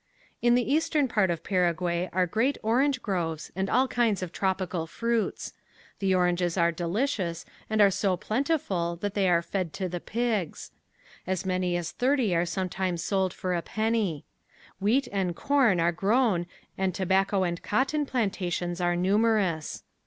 In the eastern part of Paraguay are great orange groves and all kinds of tropical fruits. The oranges are delicious and are so plentiful that they are fed to the pigs. As many as thirty are sometimes sold for a penny. Wheat and corn are grown and tobacco and cotton plantations are numerous.